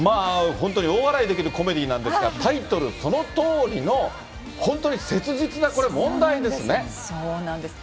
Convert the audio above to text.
本当に大笑いできるコメディーなんですが、タイトルそのとおりの本当に切実なこれ、問題ですね。